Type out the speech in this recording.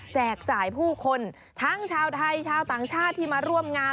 จ่ายผู้คนทั้งชาวไทยชาวต่างชาติที่มาร่วมงาน